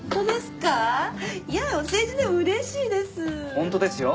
ホントですよ。